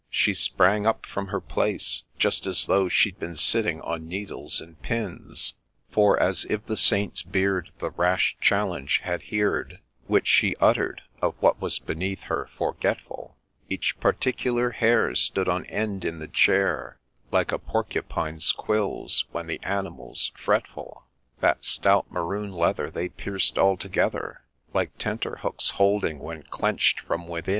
— she sprang up from her place Just as though she'd been sitting on needles and pins I For, as if the Saint's beard the rash challenge had heard Which she utter'd, of what was beneath her forgetful, Each particular hair stood on end in the chair, Like a porcupine's quills when the animal 's fretful. That stout maroon leather, they pierced altogether, Like tenter hooks holding when clench'd from within, A LAY OF ST.